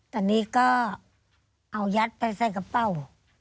ตอนนี้ก็เอายัดไปใส่กระเป๋า